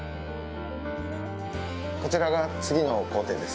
こちらが次の工程です。